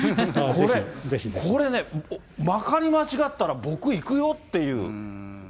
これ、これね、まかり間違ったら、僕行くよっていう。